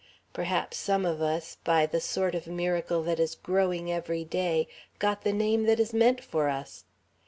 Perhaps some of us, by the sort of miracle that is growing every day, got the name that is meant for us.